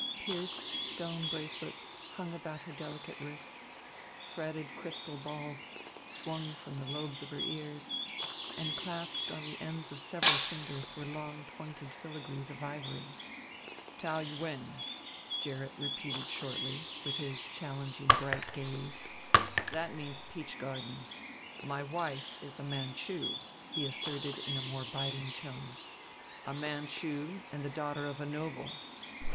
Pierced stone bracelets hung about her delicate wrists, fretted crystal balls swung from the lobes of her ears; and clasped on the ends of several fingers were long pointed filagrees of ivory. "Taou Yuen," Gerrit repeated shortly, with his challenging bright gaze. "That means Peach Garden. My wife is a Manchu," he asserted in a more biting tone; "a Manchu and the daughter of a noble.